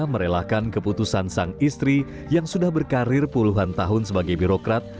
merelakan keputusan sang istri yang sudah berkarir puluhan tahun sebagai birokrat